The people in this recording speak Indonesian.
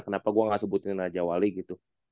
kenapa gue gak sebutin raja wali gitu